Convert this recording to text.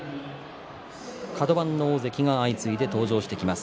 カド番の大関が相次いで登場してきます。